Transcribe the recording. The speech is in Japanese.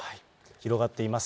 広がっています。